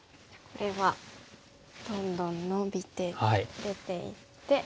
これはどんどんノビて出ていって。